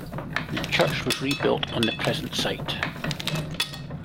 The church was rebuilt on the present site.